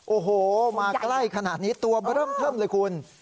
โอ้โหมาใกล้ขนาดนี้ตัวเริ่มเทิมเลยคุณ